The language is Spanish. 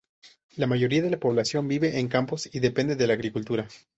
La mayoría de la población vive en campos y depende de la agricultura.